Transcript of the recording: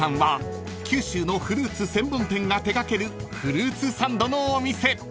［九州のフルーツ専門店が手掛けるフルーツサンドのお店］